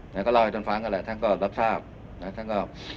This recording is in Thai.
แต่ก็เล่าให้ท่านฟังกันแหละท่านก็รับทราบนะท่านก็